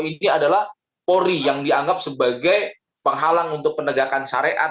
ini adalah pori yang dianggap sebagai penghalang untuk penegakan syariat